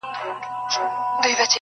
تر اوسه یې د سرو لبو یو جام څکلی نه دی,